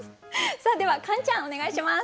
ではカンちゃんお願いします。